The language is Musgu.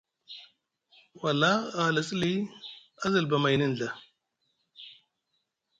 Wala a halasi li a zilba mayni nɵa.